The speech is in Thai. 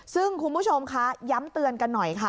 ซึ่งคุณผู้ชมค่ะย้ำเตือนกันหน่อยค่ะ